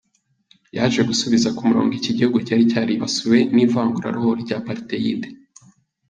Yaje gusubiza ku murongo iki gihugu cyari cyaribasiwe n’ivanguraruhu ry’apartheid.